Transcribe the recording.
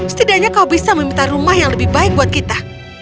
setidaknya kau bisa meminta rumah yang lebih baik buat kita